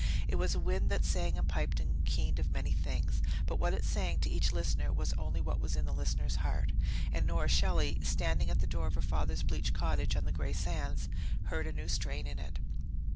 It was a wind that sang and piped and keened of many things but what it sang to each listener was only what was in that listener's heart. And Nora Shelley, standing at the door of her father's bleached cottage on the grey sands, heard a new strain in it.